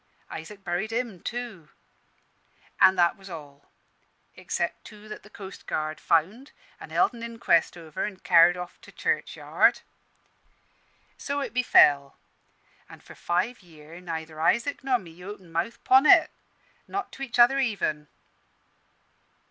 Isaac buried him too. An' that was all, except two that the coastguard found an' held an inquest over an' carr'd off to churchyard. "So it befell; an' for five year' neither Isaac nor me opened mouth 'pon it, not to each other even.